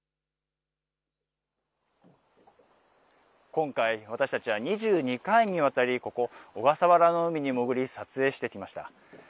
今回、私たちは２２回にわたり、ここ、小笠原の海に潜り撮影してきました。